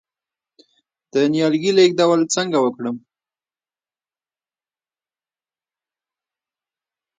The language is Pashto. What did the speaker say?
د نیالګي لیږدول څنګه وکړم؟